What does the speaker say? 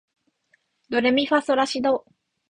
ドレミファソラシド